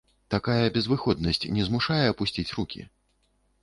Такая безвыходнасць не змушае апусціць рукі?